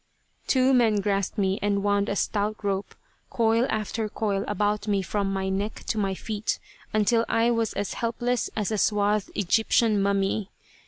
Two men grasped me and wound a stout rope, coil after coil, about me from my neck to my feet, until I was as helpless as a swathed Egyptian mummy.